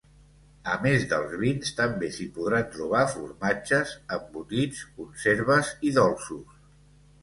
A més dels vins, també s’hi podran trobar formatges, embotits, conserves i dolços.